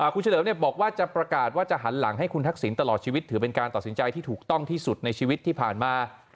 คุณเฉลิมบอกว่าจะประกาศว่าจะหันหลังให้คุณทักษิณตลอดชีวิตถือเป็นการตัดสินใจที่ถูกต้องที่สุดในชีวิตที่ผ่านมา